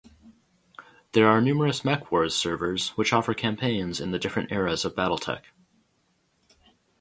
There are numerous MekWars servers which offer campaigns in the different eras of BattleTech.